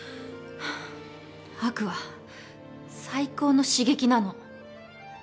悪は最高の刺激なの。